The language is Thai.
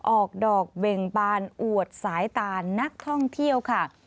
ออกดอกเบ่งบานอวดสายตานักท่องเที่ยวค่ะ